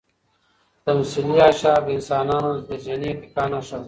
تمثیلي اشعار د انسانانو د ذهني ارتقا نښه ده.